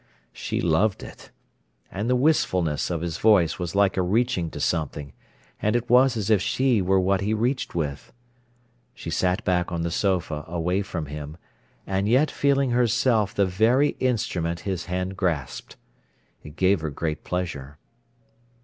She loved it. And the wistfulness of his voice was like a reaching to something, and it was as if she were what he reached with. She sat back on the sofa away from him, and yet feeling herself the very instrument his hand grasped. It gave her great pleasure.